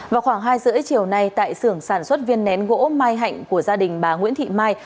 vào khoảng hai h ba mươi chiều nay tại sưởng sản xuất viên nén gỗ mai hạnh của gia đình bà nguyễn thị mai